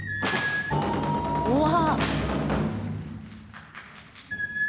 うわ。